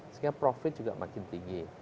sehingga profit juga makin tinggi